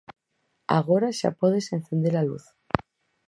_Agora xa podes acende-la luz.